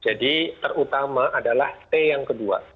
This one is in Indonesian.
jadi terutama adalah t yang kedua